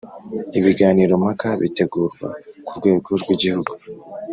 Ibiganiro mpaka bitegurwa ku rwego rw’igihugu